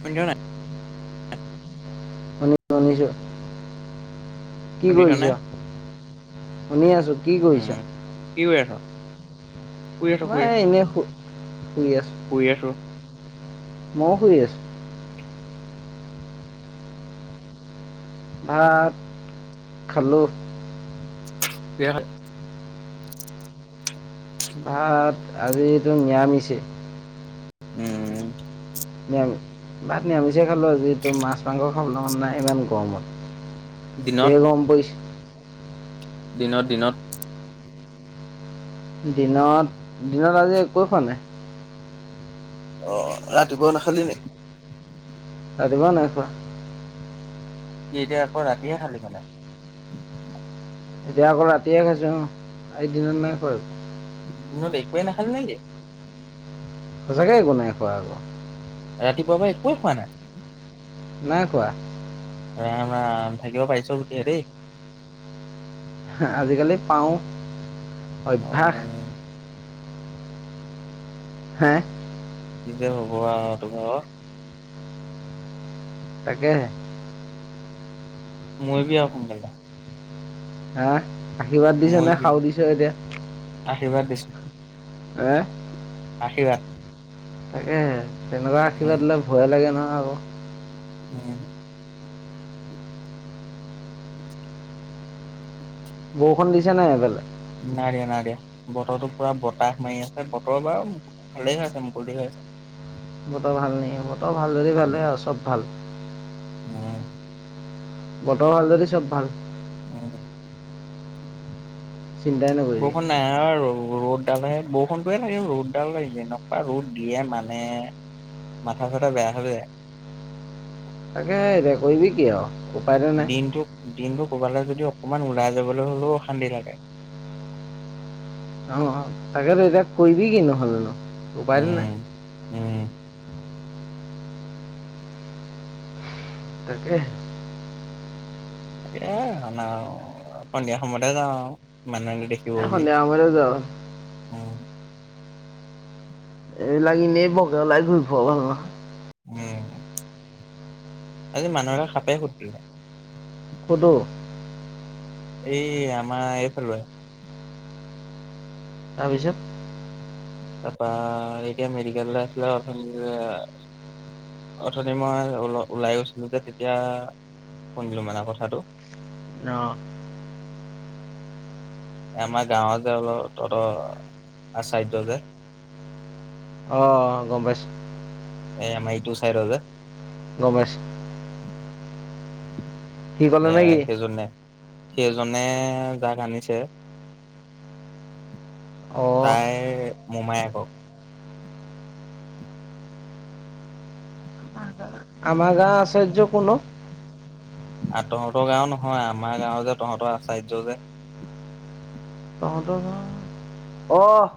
শুনিছনে নাই? অ মনিজ [unintelligible] কি শুনিছ নে কৰিছ? শুনি আছো, কি কৰিছ? উম কি কৰি আছ? শুই আছো মই শুই আছো এনেই শু শুই আছো। শুই আছোঁ। মইও শুই আছো। [unintelligible] ভাত খালোঁ। কিহ'ৰে খালি? ভাত আজিতো নৰামিষে। উম। ভাত নৰামিষে খালোঁ, যিটো মাছ মাংস খাবলৈ মন নাই ইমান গৰমত। দিনত দেৰ গৰম পৰিছে। দিনত দিনত দিনত দিনত আজি একোৱেই খোৱা নাই। অ' ৰাতিপুৱাও নাখালি নে? ৰাতিপুৱাও নাই খোৱা। কি এতিয়া আকৌ ৰাতিহে খালি মানে? এতিয়া আকৌ ৰাতিয়ে খাইছোঁ, অ' আজি দিনত নাই খোৱা একো। ঘৰত একোৱে নাখালি নেকি? সঁচাকে একো নাই খোৱা আকৌ। ৰাতিপুৱাবা একো খোৱা নাই। নাই খোৱা। ৰাম ৰাম থাকিব পাৰিছ বুলিহে দেই। আজিকালি পাও। অ, হা? কি যে হ'ব আৰু তো ভাগৰ। তাকেহে। মৰিবি আকৌ [inaudible] হা? আশীৰ্বাদ দিছ নে মৰিবি খাও আৰু দিছ এতিয়া। আশীৰ্বাদ দিছোঁ। হা? আশীৰ্বাদ। তাকে তেনেকুৱা উম আশীৰ্বাদিলে ভয়ে লাগে নহ আকৌ। [inaudible] বৰষুণ দিছে নাই সেইফালে? নাই দিয়া নাই দিয়া বতৰটো পুৰা বতাহ মাৰি আছে বতৰ বাৰু ভালেই হৈ আছে মুকলি হৈ আছে। বতৰ ভাল ন বতৰ ভাল ধৰি ভালে আৰু চব ভাল। অ, বতৰ ভাল যদি চব ভাল। অ, চিন্তাই নকৰিবি। বৰষুণ নাই ৰ'দডালহে বৰষুণটোয়ে লাগে ৰ'দডাল লাগনেকুৱা ৰ'দ দিয়ে মানে, মাথা চাথা বেয়া হ যায়। তাকে এয়া কৰিবি কি আৰু? উপায়তো নাই দিনটো দিনটো ক'বালে যদি অকমান ওলাই যাবলৈ হ'লেও অশান্তি লাগে। অ, তাকে তো এতি কৈবি কিনো হ'ল নো? উম, উম, তাকে। [inaudible] সন্ধিয়া সময়তে যাওঁ মানুহে নেদেখি এ সন্ধে সময়তে যওঁ। অ, এই লাগিনেই বৰকে ওলাই ঘূৰি ফুৰাওঁ ভাল নহয়। উম, আজি মানুহ এটাক সাপে খুটিলে। কুদো। এই আমাৰ এইফালৰে। তাৰপাছত? তাৰপা এতিয়া মেডিকেল আছিলে [inaudible] অথনি মই ওল-ওলাই গৈছিলোঁ যে তেতিয়া শুনিলোঁ মানে কথাটো। অহ, আমাৰ গাঁৱৰ যে অলপ তহঁতৰ আচায্য যে, অ, গম পাইছোঁ। এ এ আমাৰ ইটো চাইডৰ যে। গম পাইছোঁ। সি ক'লে এ নেকি সেইজনে। সেইজনে যাক আনিছে, অঁ তাইৰ মোমাইয়েকক। [inaudible] আমাৰ গাঁৱৰ আৰ্চায্য কোনো অ,? আ, তহঁতৰ গাঁও নহয় আমাৰ গাঁওৰ যে তহঁতৰ আৰ্চায্য যে, তহঁতৰ গাঁৱৰ অ'।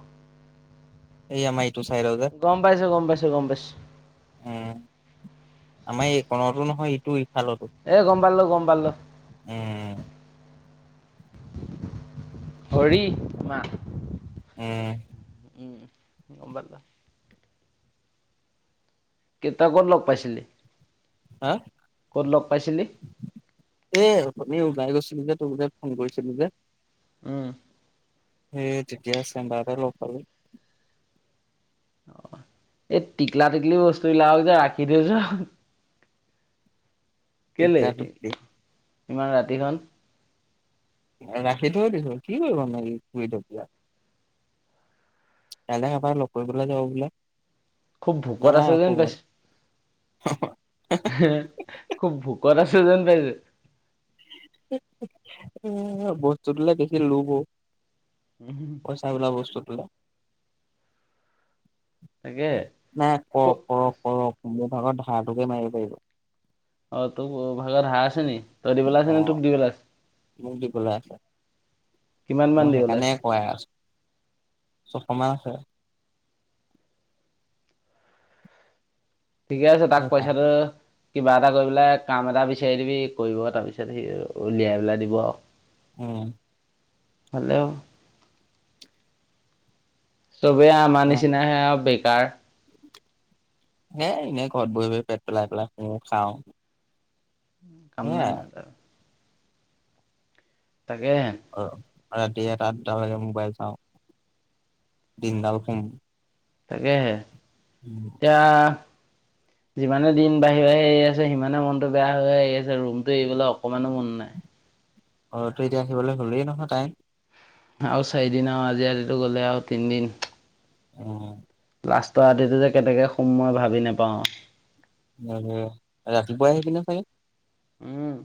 এই আমাৰ ইটো চাইডৰ যে গম পাইছোঁ, গম পাইছোঁ, গম পাইছোঁ। উম, আমাৰ এই কণতো নহয় ইটো ইফালতো এ গম পালোঁ, গম পালোঁ। উম। ভৰিমা। উম। উম। গম পালোঁ। কেইটা ক'ত লগ পাইছিলি। হা। ক'ত লগ পাইছিলি এ উঠনি ওলাই গৈছিলোঁ যে তোৰ যে ফোন কৰিছিলোঁ যে। উম এই তেতিয়া চেম্বাবাৰতে লগ পালোঁ। এই টিকলা টিকলি বস্তুবিলাক যে ৰাখি। [unintelligible] কেলে টিকলাটোক ইমান ৰাতিখন। ৰাখি থৈ দিছোঁ কি কৰিবনো [unintelligible] কাইলৈ এবাৰ লগ কৰিবলৈ যাব বোলে। খুব ভোকত আছে নালাগে যেন খবৰ পাইছোঁ। খুব ভোকত আছে যেন পাইছোঁ। বস্তুটোলে দেখি লোভ ও। উম হু [unintelligible] পইচা বিলাক বস্তুটো তাকে নাই খুব কৰক, কৰক, কৰক মোৰ ভাগৰ ধাৰটোকে মাৰিব পাৰিব। অ', তোৰ ভাগৰ ধাৰ আছে নি তই দিবলে অ আছে নে তোক দিবলে আছে। মোক দিবলৈ আছে কিমান মান মই দি পেলাই সেইকাৰণে আছে কৈ আছো চখৰ মান আছে [unintelligible] ঠিকে আছে তাক সেইকাৰণে পইচাটো কিবা এটা কৰি পেলাই কাম এটা বিচাৰি দিবি কৰিব তাৰপিছত সি উলিয়াই পেলাই দিব আৰু। উম। হেল্ল'। চবে আমাৰ নিচিনাহে আৰু বেকাৰ। এ এনেই ঘৰত বহি, বহি পেট পেলাই, পেলাই শু খাও। কাম নাই ন এটা। তাকেহে। অ', ৰাতি এটা দুটালেকে মোবাইল চাওঁ, দিনডাল শুম। তাকেহে। উম। এতিয়া যিমানে দিন বাঢ়ি, বাঢি আহি আছে, সিমানে মনতটো বেয়া হৈ হৈ আহি আছে, ৰুমটো এৰিবলৈ অকমানো মন নাই। ঘৰতো এতিয়া আহিবলৈ হ'লেই নহয় টাইম। আৰু চাৰিদিন আৰু আজি ৰাতিটো গ'লে আৰু তিনিদিন। অ'। লাষ্টৰ ৰাতিটো যে কেনেকৈ খোম মই ভাবি নাপাওঁ। উম, উম ৰাতিপুৱাই আহিবিনে চাগে। উম।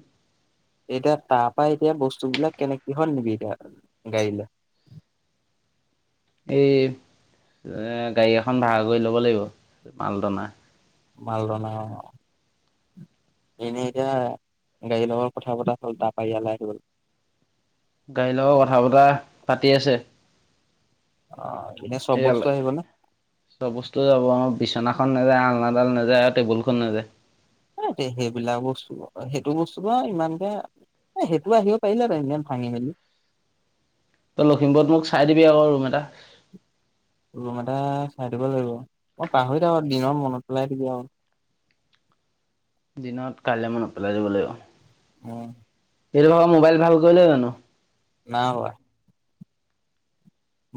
এতিয়া তাৰ পৰা এতিয়া বস্তুবিলাক কেনেক কিহত নিবি এতিয়া, গাড়ীলৈ। এই এ গাড়ী এখন ভাড়া কৰি ল'ব লাগিব, মালটনা। মালটনা অ'। এনেই এতিয়া গাড়ীৰ লগত কথা পতা হ'ল তাৰ পৰা ইয়ালৈ আহিবলৈ। গাড়ীৰ লগত কথা বতৰা পাতি আছে। অহ' এনে চব বস্তু এয়ালে আহিব নে? চব বস্তু যাব আৰু বিচনাখন নাযায়, আলনাডাল নাযায়, আৰু টেবুলখন নাযায়। এ সে-সেইবিলাক বস্তু, সেইটো বস্তু আৰু ইমানকে এ সেইটো আহিব পাৰিলে হেতেন, ইমান ভাঙি মেলি। তই লখিমপুৰত মোক চাই দিবি আকৌ ৰুম এটা। ৰুম এটা চাই ল'ব লাগিব মই পাহৰি থাকো দিনত মনত পেলাই দিবি আৰু। দিনত কাইলৈ মনত পেলাই দিব লাগিব। মই এই ঘৰৰ মোবাইল ভাল কৰিলে জানো। নাই হোৱা।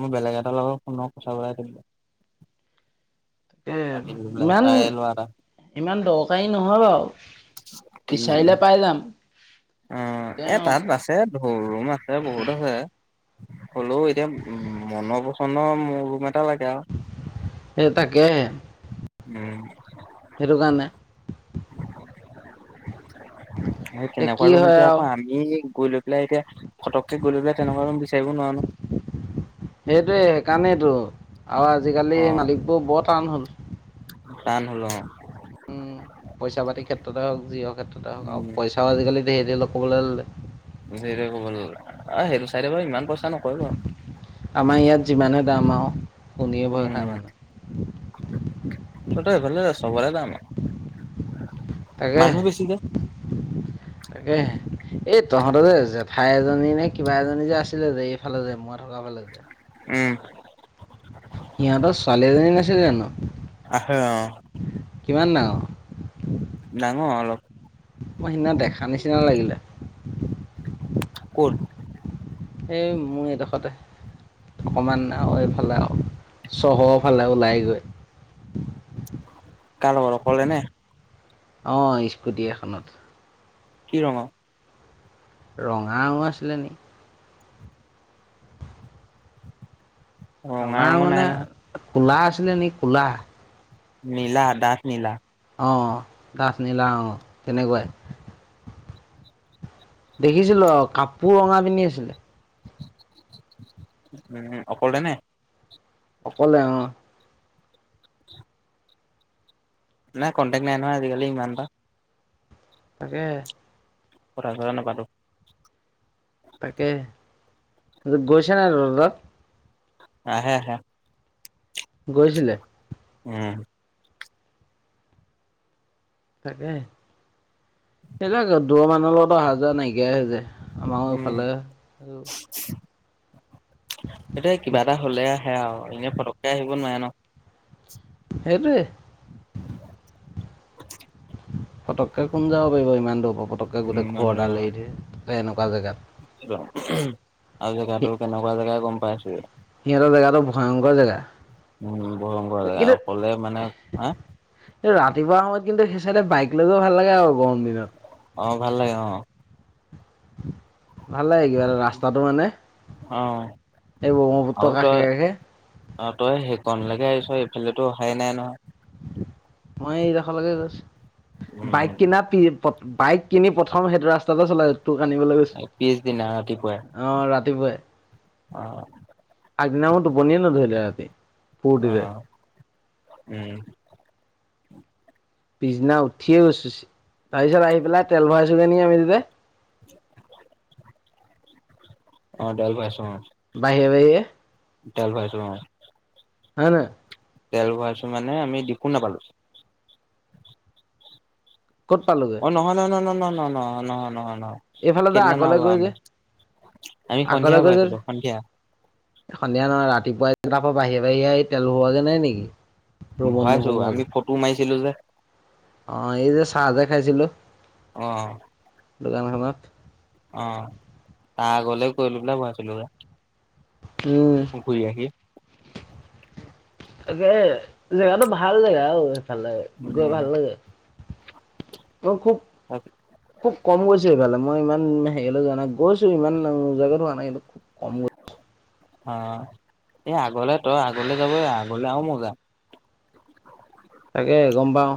মই বেলেগ এটাৰ লগত ফোনত কথা পতাই দিম। এ পাতিলো পেলাই ইমান, তাৰে ল'ৰা এটা ইমান দৰকাৰী নহয় বাৰু। উম বিচাৰিলে পাই যাম। অ' এ তেওঁ তাত বাছে ধুৰ ৰুম আছে, বহুত আছে। হ'লেও এতিয়া মনৰ পচন্দ মোৰ ৰুম এটা লাগে আৰু। এই তাকেহে। উম। সেইটো কাৰণে এই তেনেকুৱা কি ৰুম হয় এতিয়া আৰু আকৌ আমি ই-এই গৈ লৈ পেলাই এতিয়া, ফটককে গৈ লৈ পেলাই তেনেকুৱা ৰুম বিচাৰিবও নোৱাৰো নহয়। সেইটোৱে সেইকাৰণেতো আৰু আজিকালি অ', মালিকবোৰ বৰ টান হ'ল। টান হ'ল অহ'। পইচা-পাতি ক্ষেত্ৰতে হওক জিহৰ ক্ষেত্ৰতে হওক আৰু উম, পইচাও আজিকালি ধেৰ ধেৰ ক'বলৈ ল'লে। সিজে এইটো কোনো ল'লে আহ' সেইটো চাই দে বাৰু ইমান পইচা নকয় বাৰু। আমাৰ ইয়াত যিমানেহে দাম আৰু। কণীয়ে ভয় খায় উম। মানুহ তহঁতৰ সেইফালে চবৰে দাম, তাকেহে মানুহ বেছি যে। তাকেহে এই তহঁত যে জেঠাই এজনী নে কিবা এজনী যে আছিলে যে এইফালে যে মই নগাওঁ ফালে যে। উম। ইহঁতৰ ছোৱালী এজনী নাছিল জানো আহে অ, কিমান ডাঙৰ ডাঙৰ অলপ মই সিদিনা দেখা নিচিনা লাগিলে ক'ত এই মোৰ এইডোখৰতে অকণমান আৰু এইফালে আৰু চহৰফালে ওলাইগৈ কাৰ লগত অকলে নে অঁ স্কুটি এখনত কি ৰঙৰ ৰঙা ৰঙৰ আছিলে নেকি ৰঙা ৰঙৰ নে কলা আছিলে নেকি ক'লা নীলা দাঁথ নীলা অঁ দাঁথ নীলা অঁ তেনেকুৱাই দেখিছিলো অ কাপোৰ ৰঙা পিন্ধি আছিলে উ অকলে নে অকলে অ [inaudible] নাই কণ্টেক নাই নহয় আজিকালি ইমানটা তাকে কথা-চথা নাপাতো তাকে গৈছানে নাই আহে আহে গৈছিলে উম তাকে [unintelligible] দৰ মানুহৰ লগত অহা -যোৱা নাইকিয়া নাইকিয়া হৈ যায় আমাৰও এইফালে আৰু এটোয় কিবা এটা হলে আহে আৰু এনে পটকে আহিব নোৱাৰে ন সেইটোয়ে [unintelligible] পটকে কোন যাব পাৰিব ইমান দূৰ পটকে গো উম ঘৰ এডাল এৰি থে এনেকুৱা জেগাত আৰু সি জেগাতটো কেনেকুৱা জেগাই গম পাইছোয়ে সিহঁতৰ জেগাটো ভয়ংকৰ জেগা। উম ভয়ংকৰ লে কিন্তু অকলে মানে আহ- ৰাতিপুৱা সময়ত কিন্তু সেইচেদে বাইক লৈ গৈও ভাল লাগে আৰু গৰম দিনত অ ভাল লাগে অ [unintelligible] ভাল লাগে কিব ৰাস্তাটো মানে অ এই আৰু ব্ৰহ্মপুত্ৰৰ তই কাষে কাষে অ তই সেইকণলৈকে আহিছ এইফালেটো অহাই নাই নহয় মই এইডখৰলৈকে গৈছো উম বাইক কিনা প বাইক কিনি প্ৰথম সেইটো ৰাস্তাতে চলাই তোক আনিবলৈ গৈছ পিছদিনা ৰাতিপুৱাই অ ৰাতিপুৱাই অ আগদিনা মোৰ টোপনিয়ে নধৰিলে ৰাতি অ ফুৰটিতে উম পিছদিনা উঠিয়ে গৈছো তাৰ পিছত আহি পেলাই তেল ভৰাইছগে নকি আমি [unintelligible] অ তেল ভৰাইছো অ বাহে বাহে তেল ভৰাইছো অ হয় [unintelligible] তেল ভৰাইছো মানে আমি দিপু নাপালো কত পালোগৈ অ নহয় নহ ন নহয় নহয় নহয় নহয় এইফালে যে সেইদিনানা ব আগলৈ গৈ যে আমি আমি সন্ধিয়া আগলৈ ব গৈ যে আছিলো সন্ধিয়া সন্ধিয়া নহয় ৰাতিপুৱা কেইাৰ পৰা বাহিৰে বাহিৰে আহি তেল হোৱাগে নাই নেকি ৰুমত ভয়ছো আমি নোসোমোৱাকে ফটো মাৰিছিলো যে অ এই যে চাহ দেখাইছিলো অ দোকানখনত অ তাৰ আগলে কৰিলো পাই ভয় আছিলো উ তাকে জেগাতটো ভাল জেগা আৰু ভাল লাগে গৈ উম ভাল লাগে মই খুব তাত খুব কম গৈছো এইফালে মই ইমান হেৰিালৈ জানা গৈছো ইমান জেগাতটো হোৱা নাই এই খুব কমৈ অ এই আগলে তই আগলে যাব আগলে আহও মই যাম [unintelligible] তাকে গম পাওঁ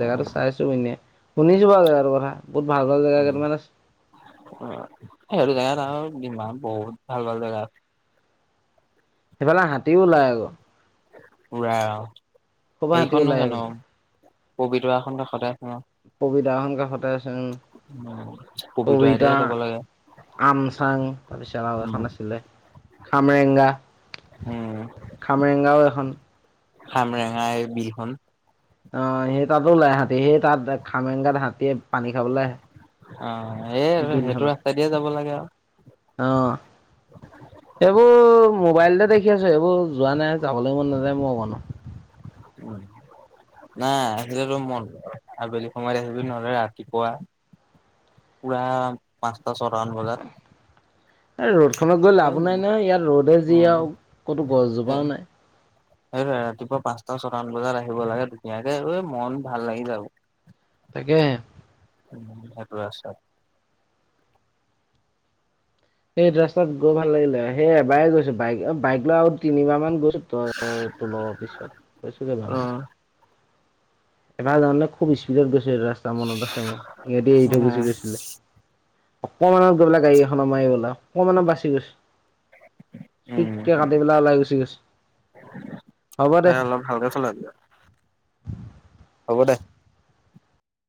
জেগাটো চাইছো এনেই শুনিছো আৰু জেগটো কথা বু ভাল জেগােই তাৰানে উ সেইটো জেগাত আৰু ডিমা বহুত ভাল ভাল জেগা সেইফালে হাতীও ওলাই আকৌ উৰা ক'ৰপা হাতী সেইখন ওলাই নহয় জানো সেইফালে পবিতৰাখন কাষতে আছ সুবিধা সকা সতেজ উ পপটো এদিহে যাব লাগে আমচাং তাৰপিছত আৰু উম এখন আছিলে খামৰেগা উম খামৰেঙগাও এখন খামৰেঙাই বিহুন অ সেই তাতো ওাই হাতী সেই তাত খামেংগাত হাতীয়ে পানী খাবলৈ আহে অ এই সেইটো বিলখনত। ৰাস্তাই দিয়ে যাব লাগে আৰু অ অ এইবোৰ মোবাইলতে দেখি আছো এইবোৰ যোৱা নাই যাবলৈ মন নাযায় মই কনো উম নাই আলেতো মন আবেলি সময়ত আহিবি নহলে ৰাতিপুৱা পুৰা পাঁচটা ছটামান বজাত এই ৰ'দ খত গৈ লাভো নাই নাই ইয়াত ৰ'দে যি আৰু উম ক'তো গছজোপা নাই সটো ৰাতিপুৱা পাঁচটা ছটামান বজাত আহিব লাগে ধুনীয়াকে ঐ মন ভাল লাগি যাব তাকে উ সেইটো আছে সেই ৰাস্তাত গৈ ভাল লাগিলে সেই এবাৰ গৈছো বাইক বাইক লৈ আৰু তিনিবাৰ মান গৈছো তো ল পিছত কৈছো জ উম এফাল জানে খুব স্পীডত গৈছিল ৰাস্তা মনত আছে মোৰ ইহতে এৰি থৈ গুচি গৈছিলে অকমানত গৈ বোলে গাড়ী এখননৰ মাৰিবলে অকমানত বাচি গৈছে উম চুইটকে কাটি পেলা ওলাই গুচি গৈছে হ'ব দে ভাল চলা হ'ব দে